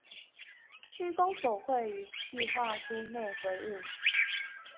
區公所會於計畫書內回應